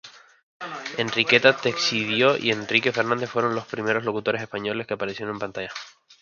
Enriqueta Teixidó y Enrique Fernández fueron los primeros locutores españoles que aparecieron en pantalla.